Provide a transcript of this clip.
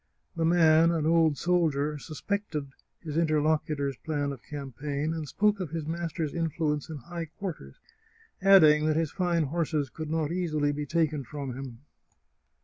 The man, an old soldier, suspected his interlocutor's plan of campaign, and spoke of his mas ter's influence in high quarters, adding that his fine horses could not easily be taken from him.